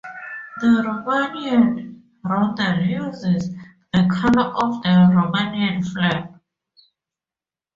The Romanian roundel uses the colours of the Romanian flag.